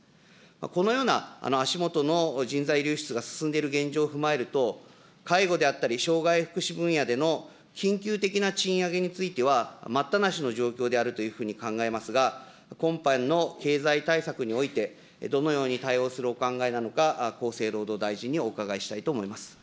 このような足元の人材流出が進んでいる現状を踏まえると、介護であったり、障害福祉分野での緊急的な賃上げについては、待ったなしの状況であるというふうに考えますが、今般の経済対策において、どのように対応するお考えなのか、厚生労働大臣にお伺いしたいと思います。